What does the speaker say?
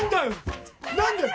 何だよ！？